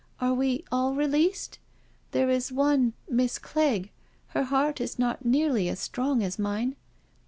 " Are we all released? There is one — ^Miss Clegg— her heart is not nearly as strong as nune."